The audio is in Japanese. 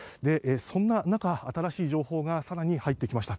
そんな中、新しい情報が更に入ってきました。